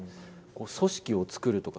組織を作るとか。